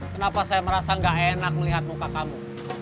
kenapa saya merasa gak enak melihat muka kamu